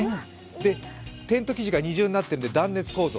テント生地が二重になってて、断熱構造。